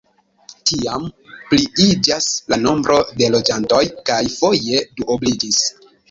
Tiam pliiĝas la nombro de loĝantoj kaj foje duobliĝis.